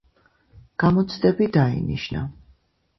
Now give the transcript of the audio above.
გამოცდები დაინიშნა